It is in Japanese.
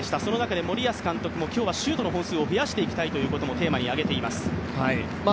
その中で森保監督も今日はシュートの本数を増やしていきたいということをテーマに挙げています。